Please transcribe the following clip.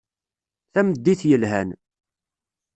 Tameddit yelhan.